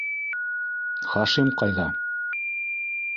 Хашим ҡайҙа?